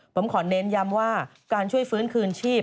ผมขอเน้นย้ำว่าการช่วยฟื้นคืนชีพ